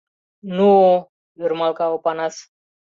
— Но-о-о! — ӧрмалга Опанас.